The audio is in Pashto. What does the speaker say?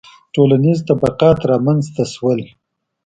• ټولنیز طبقات رامنځته شول.